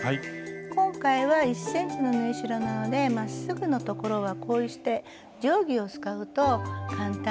今回は１ｃｍの縫い代なのでまっすぐの所はこうして定規を使うと簡単に書くことができるんですよ。